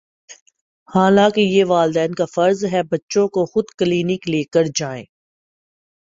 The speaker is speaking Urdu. حالانکہ یہ والدین کافرض ہے بچوں کو خودکلینک لےکرجائیں۔